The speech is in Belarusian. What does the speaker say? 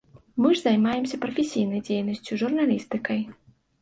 Мы ж займаемся прафесійнай дзейнасцю, журналістыкай.